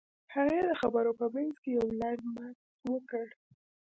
هغې د خبرو په منځ کې يو لنډ مکث وکړ.